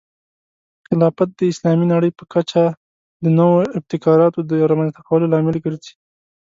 خلافت د اسلامي نړۍ په کچه د نوو ابتکاراتو د رامنځته کولو لامل ګرځي.